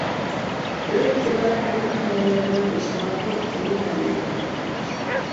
بىر كۇلا ھەممە قەلەندەرنىڭ بېشىغا خوپ كېلىۋەرمەيدۇ.